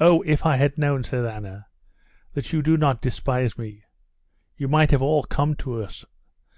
"Oh, if I had known," said Anna, "that you do not despise me!... You might have all come to us.